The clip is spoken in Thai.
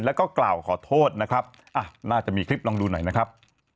แล้วก็กล่าวขอโทษนะครับน่าจะมีคลิปลองดูหน่อยนะครับ